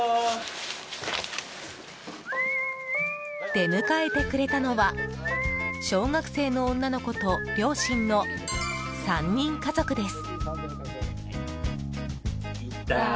出迎えてくれたのは小学生の女の子と両親の３人家族です。